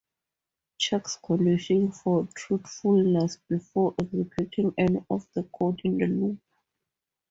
Checks condition for truthfulness before executing any of the code in the loop.